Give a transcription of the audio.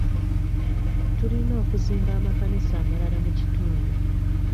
Tulina okuzimba amakanisa amalala mu kitundu.